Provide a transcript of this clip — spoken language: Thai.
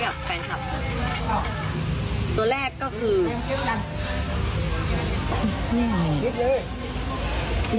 ๓แล้วไปที่๒